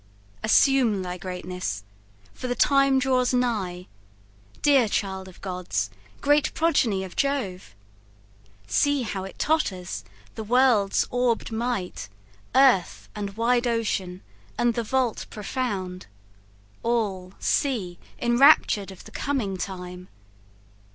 Assume thy greatness, for the time draws nigh, Dear child of gods, great progeny of Jove! See how it totters the world's orbed might, Earth, and wide ocean, and the vault profound, All, see, enraptured of the coming time!